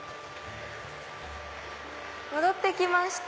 戻って来ました。